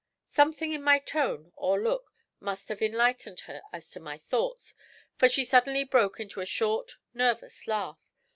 Something in my tone or look must have enlightened her as to my thoughts, for she suddenly broke into a short, nervous laugh.